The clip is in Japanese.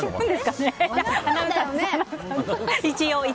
一応。